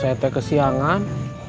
saya nek kesiangan